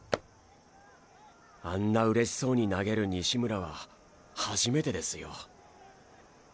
あんな嬉しそうに投げる西村は初めてですよ。